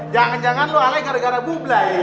jangan jangan lo alay gara gara bubla ya